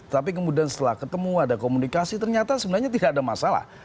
tapi kemudian setelah ketemu ada komunikasi ternyata sebenarnya tidak ada masalah